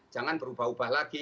jangan berubah ubah lagi